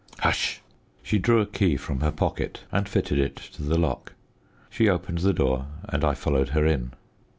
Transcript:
Hush!" She drew a key from her pocket and fitted it to the lock. She opened the door and I followed her in.